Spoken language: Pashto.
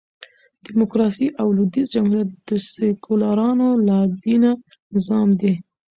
ډيموکراسي او لوېدیځ جمهوریت د سیکولرانو لا دینه نظام دئ.